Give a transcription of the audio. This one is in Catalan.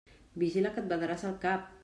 Vigila, que et badaràs el cap!